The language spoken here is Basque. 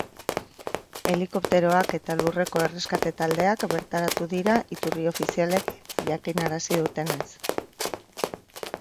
Helikopteroak eta lurreko erreskate taldeak bertaratu dira, iturri ofizialek jakinarazi dutenez.